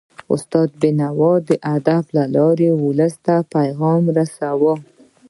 استاد بينوا د ادب له لارې ولس ته پیغام ورساوه.